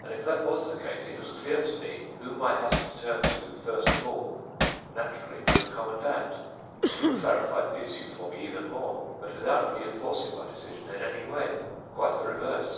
And if that was the case, it was clear to me whom I had to turn to first of all—naturally, to the Commandant. You clarified the issue for me even more, but without reinforcing my decision in any way—quite the reverse.